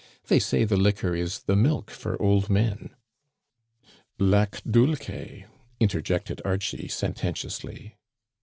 They say the liquor is the milk for old men." " Lac dulce interjected Archie, sententiously.